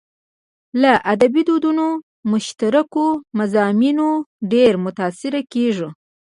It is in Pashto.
له ادبي دودونو او مشترکو مضامينو ډېر متاثره کېږو.